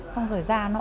xong rồi ra nó ôm